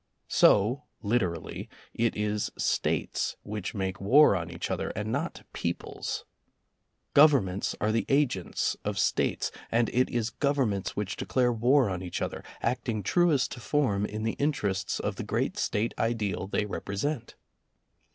So, literally, it is States which make war on each other and not peoples. Governments are the agents of States, and it is Governments which declare war on each other, acting truest to form in the interests of the great State ideal they represent.